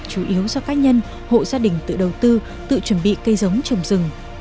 chủ yếu do cá nhân hộ gia đình tự đầu tư tự chuẩn bị cây giống trồng rừng